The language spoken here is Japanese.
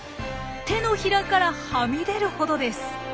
手のひらからはみ出るほどです。